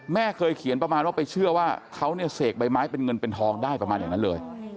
แม่เคยเขียนประมาณว่าไปเชื่อว่าเขาเนี่ยเสกใบไม้เป็นเงินเป็นทองได้ประมาณอย่างนั้นเลย